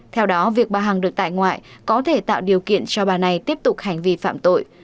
theo đó việc bà hằng được tại ngoại có thể tạo điều kiện cho bà này tiếp tục hành vi phạm tội